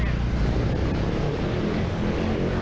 สุดท้ายเนี่ยขี่รถหนีเจ้าหน้าที่ก็ไม่ยอมหยุดนะฮะ